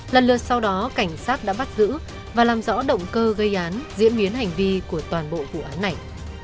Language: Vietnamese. lần lượt sau đó cảnh sát đã bắt giữ và làm rõ động cơ gây án diễn biến hành vi của toàn bộ vụ án này